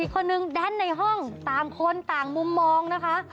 คนหนึ่งแดนในห้องต่างคนต่างมุมมองนะคะ